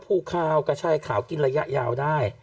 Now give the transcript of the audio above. ภูคาวกระชายขาวกินระยะยาวได้